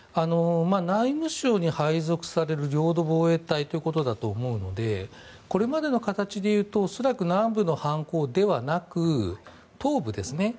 内務省に配属される領土防衛隊ということだと思うのでこれまでの形でいうと恐らく南部の反攻ではなく東部ですね。